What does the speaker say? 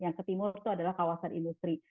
yang ke timur itu adalah kawasan industri